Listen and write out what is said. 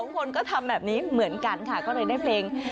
คนก็ทำแบบนี้เหมือนกันค่ะก็เลยได้เพลง